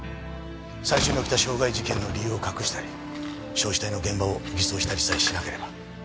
最初に起きた傷害事件の理由を隠したり焼死体の現場を偽装したりさえしなければ。